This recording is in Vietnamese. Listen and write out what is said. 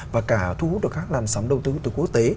và cả thu hút được các làn sóng đầu tư từ quốc tế